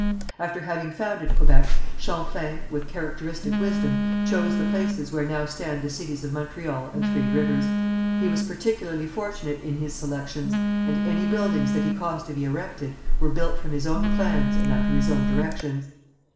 After having founded Quebec, Champlain, with characteristic wisdom, chose the places where now stand the cities of Montreal and Three Rivers. He was particularly fortunate in his selections, and any buildings that he caused to be erected, were built from his own plans and under his own directions.